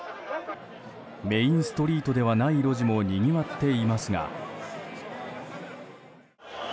メインストリートではない路地もにぎわっていますが。